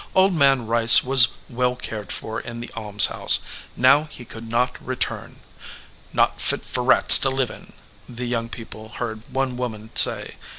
Old Man Rice was well cared for in the almshouse. Now he could not return. "Not fit for rats to live in," the young people heard one woman say.